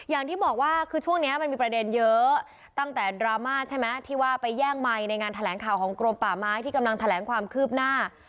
อย่างที่บอกว่าคือช่วงนี้มันมีประเด็นเยอะตั้งแต่ดราม่าใช่ไหมที่ว่าไปแย่งไมค์ในงานแถลงข่าวของกรมป่าไม้ที่กำลังแถลงความคืบหน้า